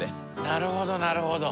なるほどなるほど。